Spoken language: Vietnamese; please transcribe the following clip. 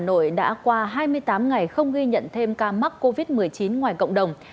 hà nội đã qua hai mươi tám ngày không ghi nhận thêm ca mắc covid một mươi chín ngoài cộng đồng